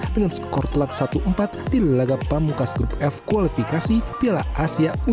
dengan skor telat satu empat di lagapamukas grup f kualifikasi piala asia u sembilan belas